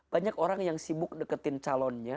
banyak orang yang sibuk deketin calonnya